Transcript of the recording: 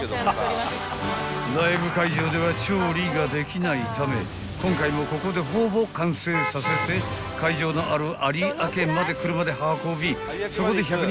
［ライブ会場では調理ができないため今回もここでほぼ完成させて会場のある有明まで車で運びそこで１００人